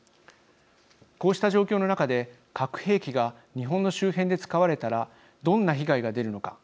こうした状況の中で核兵器が日本の周辺で使われたらどんな被害が出るのか。